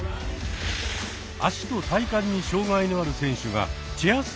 足と体幹に障がいのある選手がチェア